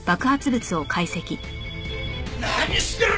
何してる！